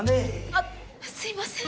あっすいません。